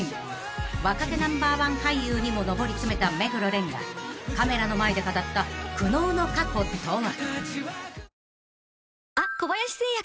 ［若手Ｎｏ．１俳優にも上り詰めた目黒蓮がカメラの前で語った苦悩の過去とは］